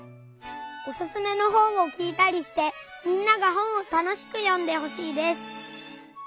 おすすめの本をきいたりしてみんなが本をたのしくよんでほしいです。